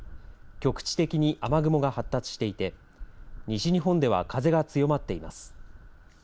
局地的に雨雲が発達していて西日本では風が強まっています。